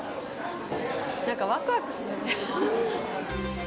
なんか、ワクワクするね。